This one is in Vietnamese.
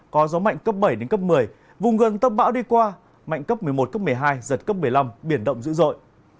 có gió mạnh cấp bảy đến cấp một mươi vùng gần tâm bão đi qua mạnh cấp một mươi một cấp một mươi hai giật cấp một mươi năm biển động dữ dội